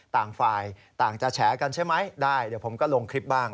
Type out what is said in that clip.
ต่างฝ่ายต่างจะแฉกันใช่ไหมได้เดี๋ยวผมก็ลงคลิปบ้าง